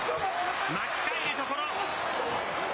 巻き替えるところ。